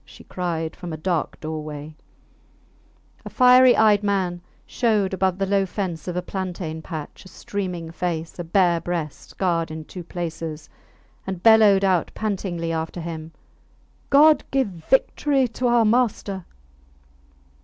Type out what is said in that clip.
she cried from a dark doorway; a fiery eyed man showed above the low fence of a plantain patch a streaming face, a bare breast scarred in two places, and bellowed out pantingly after him, God give victory to our master!